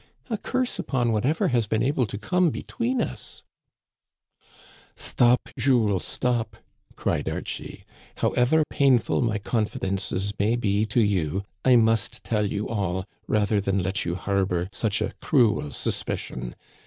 A curse upon whatever has been able to come between us !"Stop, Jules, stop," cried Archie. " However painful my confidences may be to you, I must tell you all rather than let you harbor such a cruel suspicion.